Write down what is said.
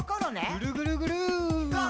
ぐるぐるぐる。